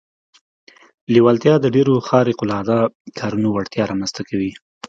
لېوالتیا د ډېرو خارق العاده کارونو وړتیا رامنځته کوي